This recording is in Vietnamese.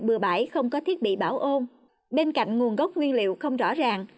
bừa bãi không có thiết bị bảo ôn bên cạnh nguồn gốc nguyên liệu không rõ ràng